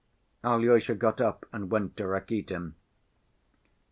Alyosha got up and went to Rakitin.